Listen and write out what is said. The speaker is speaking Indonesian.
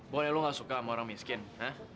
boleh lu ga suka sama orang miskin ha